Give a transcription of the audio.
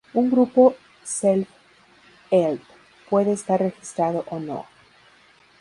Un grupo self-help puede estar registrado o no.